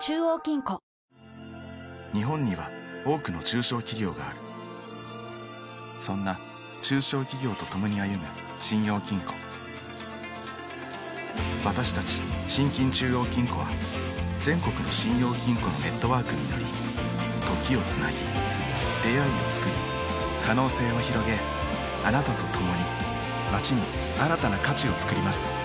日本には多くの中小企業があるそんな中小企業とともに歩む信用金庫私たち信金中央金庫は全国の信用金庫のネットワークにより時をつなぎ出会いをつくり可能性をひろげあなたとともに街に新たな価値をつくります